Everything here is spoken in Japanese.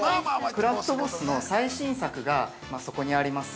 ◆クラフトボスの最新作が、そこにあります